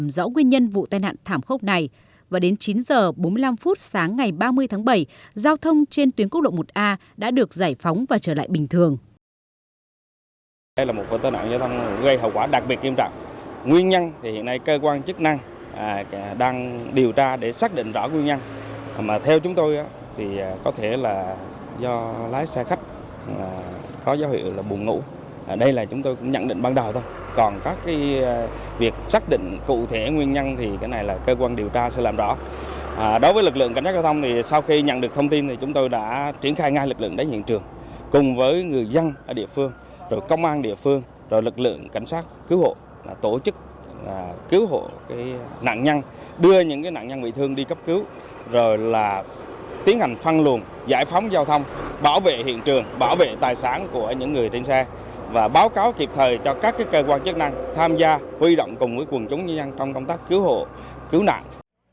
đối với lực lượng cảnh sát giao thông sau khi nhận được thông tin chúng tôi đã triển khai ngay lực lượng đánh hiện trường cùng với người dân ở địa phương công an địa phương lực lượng cảnh sát cứu hộ tổ chức cứu hộ nạn nhân đưa những nạn nhân bị thương đi cấp cứu tiến hành phân luồn giải phóng giao thông bảo vệ hiện trường bảo vệ tài sản của những người trên xe và báo cáo kịp thời cho các cơ quan chức năng tham gia huy động cùng với quần chúng nhân trong công tác cứu hộ cứu nạn